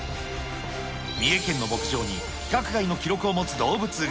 三重県の牧場に、規格外の記録を持つ動物が。